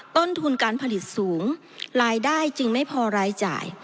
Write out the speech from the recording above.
ต้นทุนการผลิตสูงรายได้จึงไม่พอรายจ่าย